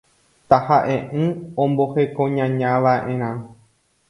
Taha’e’ỹ ombohekoñañava’erã